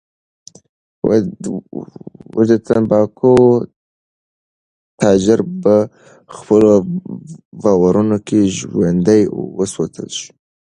د تنباکو تاجر په خپلو بارونو کې ژوندی وسوځول شو.